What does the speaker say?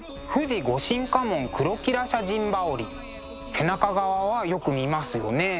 背中側はよく見ますよね。